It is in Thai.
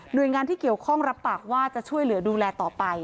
โดยงานที่เกี่ยวข้องรับปากว่าจะช่วยเหลือดูแลต่อไป